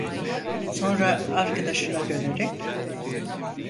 Sonra arkadaşına dönerek: